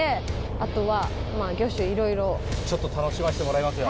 あとはまぁ魚種いろいろちょっと楽しましてもらいますよ